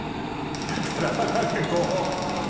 だから何かこう。